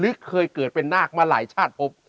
นี่เคยเกิดเป็นนาคมาหลายชาติพบ